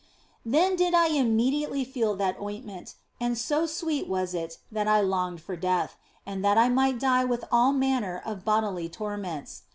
Then did I immediately feel that ointment, and so sweet was it that I longed for death, and that I might die with all manner of bodily torments.